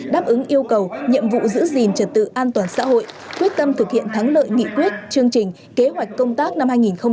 đáp ứng yêu cầu nhiệm vụ giữ gìn trật tự an toàn xã hội quyết tâm thực hiện thắng lợi nghị quyết chương trình kế hoạch công tác năm hai nghìn hai mươi